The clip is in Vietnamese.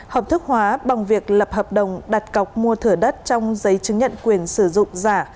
hợp thức hóa bằng việc lập hợp đồng đặt cọc mua thửa đất trong giấy chứng nhận quyền sử dụng giả